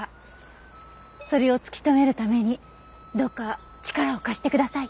それを突き止めるためにどうか力を貸してください。